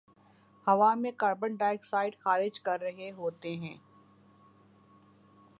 ہوا میں carbon dioxide خارج کررہے ہوتے ہیں